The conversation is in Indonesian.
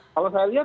kalau saya lihat